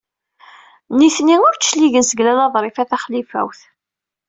Nitni ur d-cligen seg Lalla Ḍrifa Taxlifawt.